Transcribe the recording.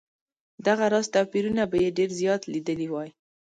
دغه راز توپیرونه به یې ډېر زیات لیدلي وای.